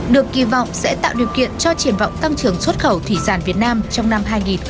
được kỳ vọng sẽ tạo điều kiện cho triển vọng tăng trưởng xuất khẩu thủy sản việt nam trong năm hai nghìn hai mươi